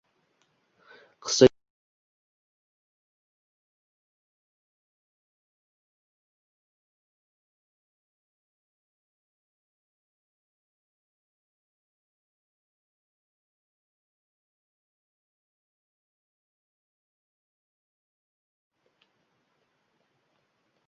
Universitetda joylashtirilgan maʼlumotlarni qabul qiluvchi stantsiyaga uzatdi.